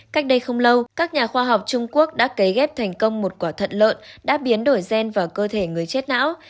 cách đây không lâu các nhà khoa học trung quốc đã cấy ghép thành công một quả thận lợn đã biến đổi gen vào cơ thể người chết não